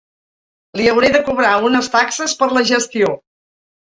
Li hauré de cobrar unes taxes per la gestió.